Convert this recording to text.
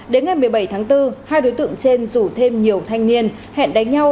đến ngày một mươi bảy tháng bốn hai đối tượng trên rủ thêm nhiều thanh niên hẹn đánh nhau